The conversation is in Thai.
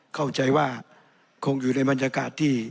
เข้าใจว่าคงอยู่ในบรรยากาศที่